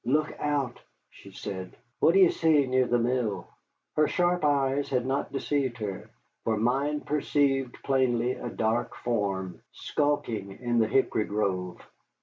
"Look out," she said; "what d'ye see near the mill?" Her sharp eyes had not deceived her, for mine perceived plainly a dark form skulking in the hickory grove.